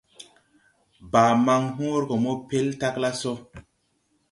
Baa man hõõre go mo pel tagla so.